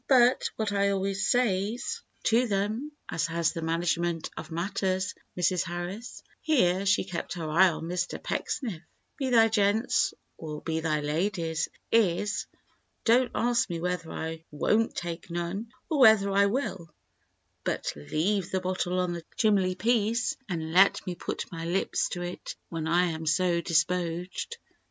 But what I always says to them as has the management of matters, Mrs. Harris,'"—here she kept her eye on Mr. Pecksniff—"'be they gents or be they ladies—is, Dont ask me whether I wont take none, or whether I will, but leave the bottle on the chimley piece, and let me put my lips to it when I am so dispoged.